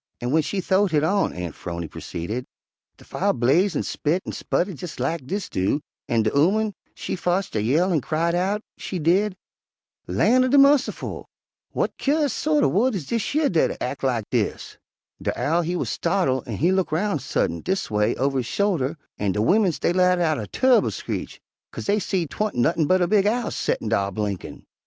"An' w'en she th'owed hit on," Aunt 'Phrony proceeded, "de fire blaze an' spit an' sputter jes' lak dis do, an' de ooman she fotched a yell an' cried out, she did, 'Lan' er de mussiful! W'at cur'ous sort er wood is dish yer dat ac' lak dis?' De Owl he wuz startle' an' he look roun' suddint, dis a way, over his shoulder, an' de wimmins dey let out a turr'ble screech, 'kase dey seed 'twa'n't nuttin' but a big owl settin' dar blinkin'.